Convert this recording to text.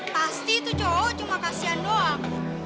pasti itu cowok cuma kasihan doang